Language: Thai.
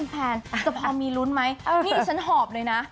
แฟนจะพอมีลุ้นไหมนี่ดิฉันหอบเลยนะ